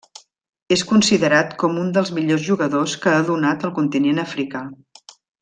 És considerat com un dels millors jugadors que ha donat el continent africà.